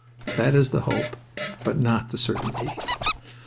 That is the hope but not the certainty.